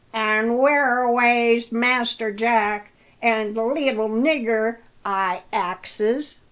"An' whereaway's Master Jack an' the leetle nigger, I axes?"